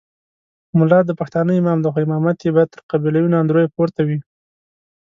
ملا د پښتانه امام دی خو امامت یې باید تر قبیلوي ناندریو پورته وي.